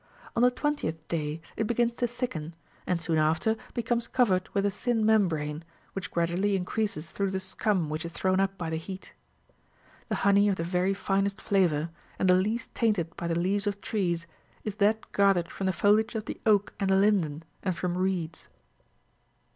On the twentieth day it begins to thicken, and soon after becomes covered with a thin membrane, which gradually increases through the scum which is thrown up by the heat. The honey of the very finest flavour, and the least tainted by the leaves of trees, is that gathered from the foliage of the oak and the linden, and from reeds.